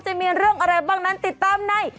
จะมีเรื่องอะไรบ้างนั้นติดตามใน